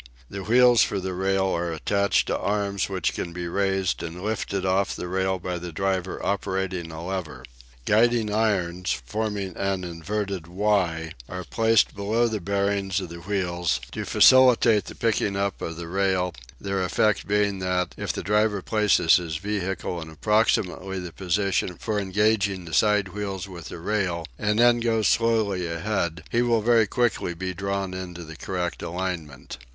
The wheels for the rail are attached to arms which can be raised and lifted off the rail by the driver operating a lever. Guiding irons, forming an inverted Y, are placed below the bearings of the wheels to facilitate the picking up of the rail, their effect being that, if the driver places his vehicle in approximately the position for engaging the side wheels with the rail and then goes slowly ahead, he will very quickly be drawn into the correct alignment.